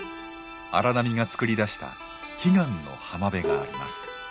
荒波がつくり出した奇岩の浜辺があります。